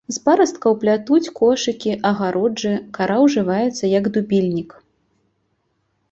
З парасткаў плятуць кошыкі, агароджы, кара ўжываецца як дубільнік.